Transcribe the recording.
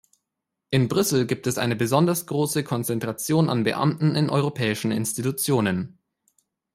In Brüssel gibt es eine besonders große Konzentration an Beamten in europäischen Institutionen.